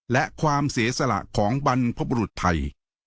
และความเสียสละของบรรพบรุษไทย